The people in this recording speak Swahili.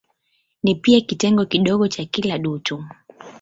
Ni pia kitengo kidogo cha kila dutu.